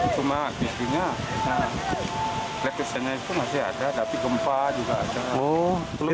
cuma disini statusnya itu masih ada tapi keempat juga ada